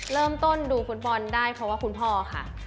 เริ่มต้นดูฟุตบอลได้เพราะว่าคุณพ่อค่ะ